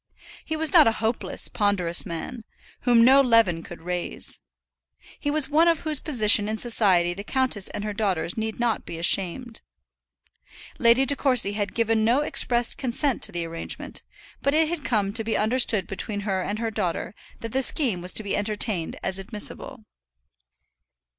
He was not a hopeless, ponderous man, whom no leaven could raise. He was one of whose position in society the countess and her daughters need not be ashamed. Lady De Courcy had given no expressed consent to the arrangement, but it had come to be understood between her and her daughter that the scheme was to be entertained as admissible.